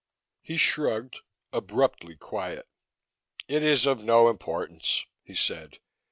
He shrugged, abruptly quiet. "It is of no importance," he said.